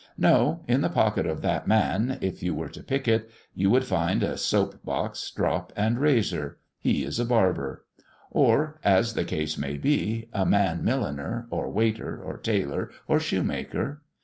No; in the pocket of that man, if you were to pick it, you would find a soap box, strop, and razor he is a barber. Or, as the case may be, a man milliner, or waiter, or tailor, or shoe maker.